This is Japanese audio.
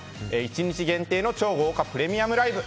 １日限定の超豪華プレミアムライブ。